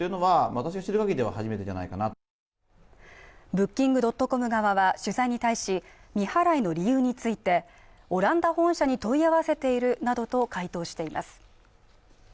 ブッキング・ドットコム側は取材に対し未払いの理由についてオランダ本社に問い合わせているなどと回答しています